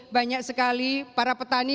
banyak sekali para petani